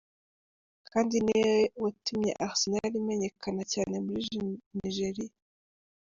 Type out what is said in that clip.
Kanu niwe yatumye Arsenal imenyekana cane muri Nigeria.